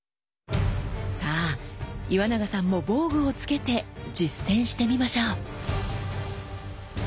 さあ岩永さんも防具を着けて実践してみましょう！